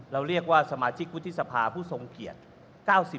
เราเรียกว่าสมาชิกวุฒิสภาผู้ทรงเกียรติ